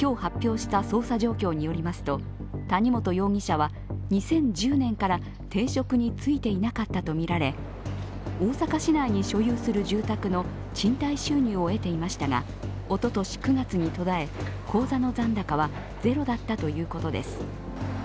谷本容疑者は、２０１０年から定職に就いていなかったとみられ大阪市内に所有する住宅の賃貸収入を得ていましたが、おととし９月に途絶え口座の残高はゼロだったということです。